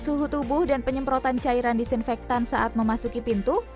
suhu tubuh dan penyemprotan cairan disinfektan saat memasuki pintu